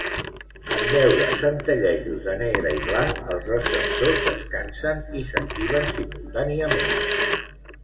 En veure centellejos de negre i blanc, els receptors descansen i s'activen simultàniament.